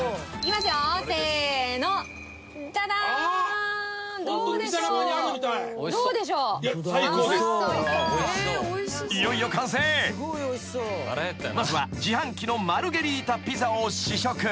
［まずは自販機のマルゲリータピザを試食］